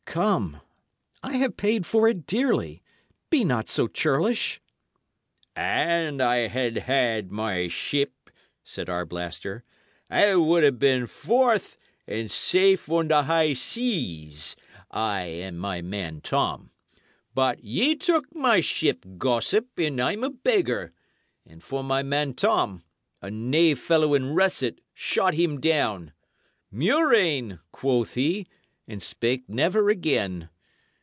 Come, I have paid for it dearly; be not so churlish." "An I had had my ship," said Arblaster, "I would 'a' been forth and safe on the high seas I and my man Tom. But ye took my ship, gossip, and I'm a beggar; and for my man Tom, a knave fellow in russet shot him down. 'Murrain!' quoth he, and spake never again.